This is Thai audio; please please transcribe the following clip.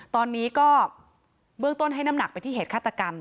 ตอนนี้ก็เบื้องต้นให้น้ำหนักไปที่เหตุฆาตกรรม